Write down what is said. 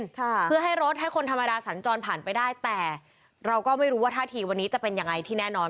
ค่ะเพื่อให้รถให้คนธรรมดาสัญจรผ่านไปได้แต่เราก็ไม่รู้ว่าท่าทีวันนี้จะเป็นยังไงที่แน่นอน